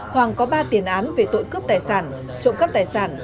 hoàng có ba tiền án về tội cướp tài sản trộm cắp tài sản